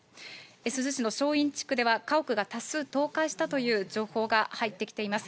珠洲市の正院地区では、家屋が多数倒壊したという情報が入ってきています。